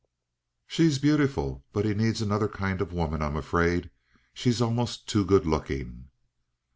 She's beautiful, but he needs another kind of woman, I'm afraid. She's almost too good looking."